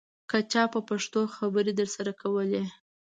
که چا په پښتو خبرې درسره کولې.